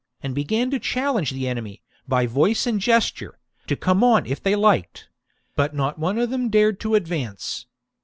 and began to challenge the enemy, by voice and gesture, to come on if they liked ; but not one of them dared to advance.